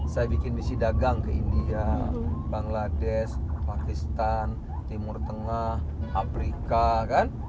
saya bikin misi dagang ke india bangladesh pakistan timur tengah afrika kan